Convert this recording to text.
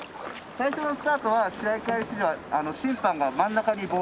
最初のスタートは試合開始時は審判が真ん中にボールを。